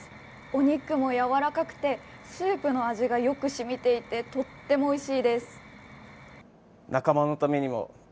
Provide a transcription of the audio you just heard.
お肉もやわらかくて、スープの味がよくしみていて、とってもおいしいです。